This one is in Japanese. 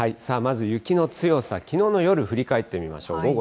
さあ、まず雪の強さ、きのうの夜、振り返ってみましょう。